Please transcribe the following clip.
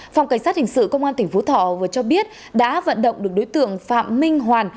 phòng cảnh sát hình sự công an tỉnh phú thọ vừa cho biết đã vận động được đối tượng phạm minh hoàn